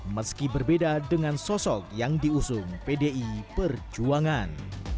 meski berbeda dengan sosok yang diusung pdi perjuangan